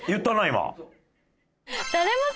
今。